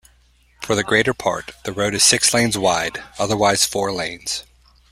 For the greater part, the road is six lanes wide, otherwise four lanes.